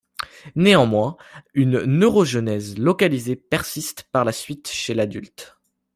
Néanmoins, une neurogenèse localisée persiste par la suite chez l'adulte.